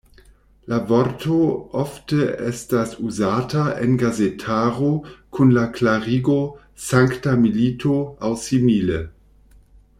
La vorto ofte estas uzata en gazetaro kun la klarigo "sankta milito" aŭ simile.